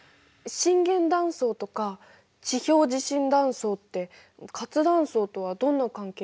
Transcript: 震源断層とか地表地震断層って活断層とはどんな関係があるの？